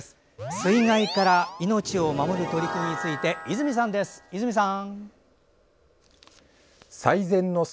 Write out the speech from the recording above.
水害から命を守る取り組みについて、泉さんです。